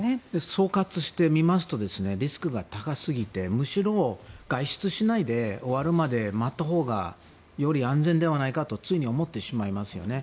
総括してみますとリスクが高すぎてむしろ、外出しないで終わるまで待ったほうがより安全ではないかとつい思ってしまいますよね。